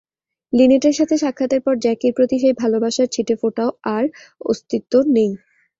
লিনেটের সাথে সাক্ষাতের পর জ্যাকির প্রতি সেই ভালোবাসার ছিটেফোঁটারও আর অস্তিত্ব নেই!